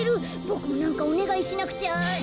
ボクもなんかおねがいしなくちゃ。